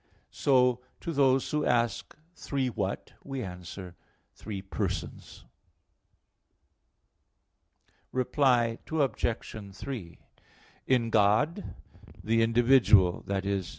So to those who ask, Three what? we answer, Three persons. Reply Obj. 3: In God the individual i.e.